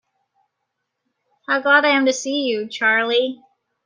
How glad am I to see you, Charley!